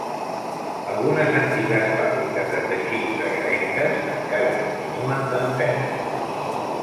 Algunes antigues fàbriques de teixits egarenques encara continuen dempeus.